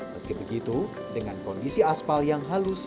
meski begitu dengan kondisi aspal yang halus